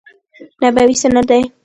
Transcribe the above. نبوي سنت دي.